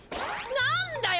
なんだよ！